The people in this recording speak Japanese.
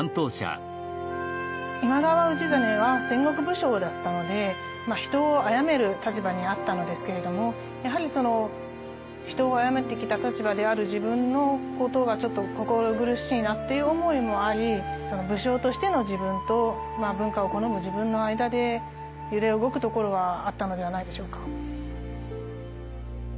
今川氏真は戦国武将だったので人を殺める立場にあったのですけれども人を殺めてきた立場である自分のことが心苦しいなっていう思いもあり武将としての自分と文化を好む自分の間で揺れ動くところはあったのではないでしょうか。